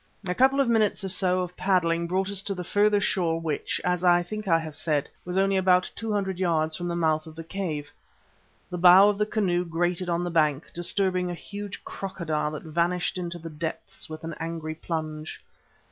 A couple of minutes or so of paddling brought us to the further shore which, as I think I have said, was only about two hundred yards from the mouth of the cave. The bow of the canoe grated on the bank, disturbing a huge crocodile that vanished into the depths with an angry plunge.